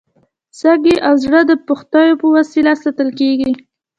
سږي او زړه د پښتیو په وسیله ساتل کېږي.